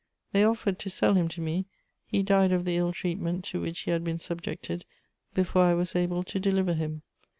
They offered to sell him to me: he died of the ill treatment to which he had been subjected before I was able to deliver him.